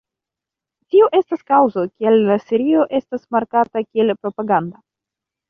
Tio estas kaŭzo, kial la serio estas markata kiel propaganda.